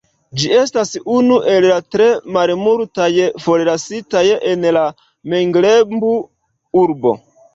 Ĝi estas unu el la tre malmultaj forlasitaj en la Menglembu-urbo.